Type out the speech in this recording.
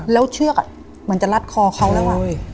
แล้วเชือกเหมือนจะรัดคอเขาแล้ว